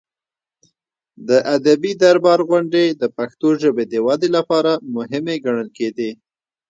د ادبي دربار غونډې د پښتو ژبې د ودې لپاره مهمې ګڼل کېدې.